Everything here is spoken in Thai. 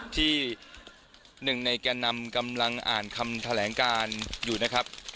ที่หนึ่งในแก่นำกำลังอ่านคำแถลงการอยู่นะครับ